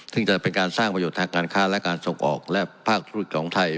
ซึ่งจะเป็นการสร้างประโยชน์ทางการค้าและการส่งออกและภาคธุรกิจของไทย